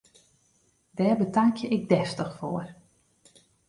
Dêr betankje ik deftich foar!